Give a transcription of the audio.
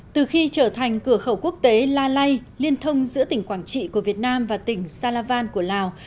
từ khi trở thành cửa khẩu quốc tế lalay liên thông giữa tỉnh quảng trị của việt nam và tỉnh salavan của lào